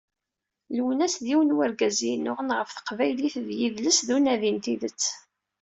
Lwennas, d yiwen n urgaz i yennuɣen ɣef teqbaylit d yidles, d unadi n tidet.